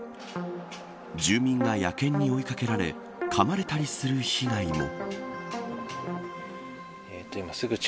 住民が野犬に追い掛けられかまれたりする被害も。